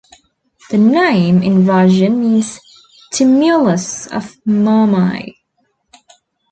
The name in Russian means "tumulus of Mamai".